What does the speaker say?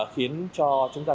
khiến cho chúng ta